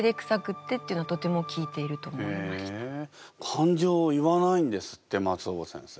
感情を言わないんですって松尾葉先生。